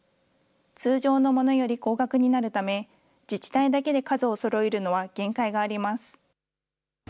通常のものより高額になるため、自治体だけで数をそろえるのは限界があります。